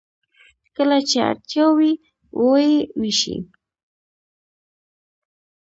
کله چې اړتیا وي و یې ویشي.